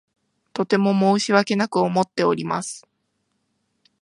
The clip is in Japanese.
とても申し訳なく思っております。